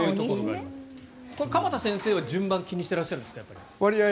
鎌田先生は順番気にしているんですか？